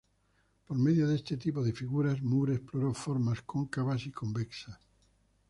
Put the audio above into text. Por medio de este tipo de figuras Moore exploró formas cóncavas y convexas.